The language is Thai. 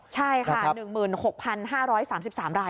ใช่ค่ะ๑๖๕๓๓ราย